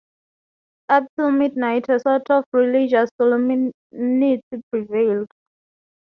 Up till midnight a sort of religious solemnity prevailed.